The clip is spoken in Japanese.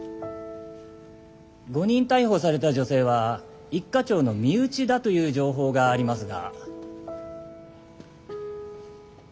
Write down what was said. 誤認逮捕された女性は一課長の身内だという情報がありますが。